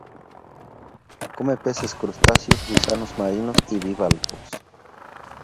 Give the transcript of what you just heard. Come peces, crustáceos, gusanos marinos y bivalvos.